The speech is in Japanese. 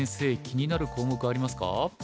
気になる項目ありますか？